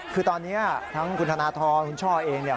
คือตอนนี้ทั้งคุณธนทรคุณช่อเองเนี่ย